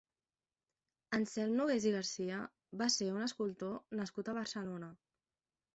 Anselm Nogués i Garcia va ser un escultor nascut a Barcelona.